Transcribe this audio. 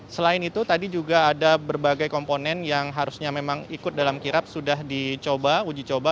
selain itu tadi juga ada berbagai komponen yang harusnya memang ikut dalam kirap sudah dicoba uji coba